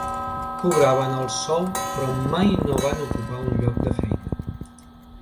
Cobraven el sou però mai no van ocupar un lloc de feina.